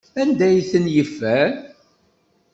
Anda ay ten-yeffer?